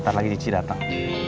ntar lagi cici datang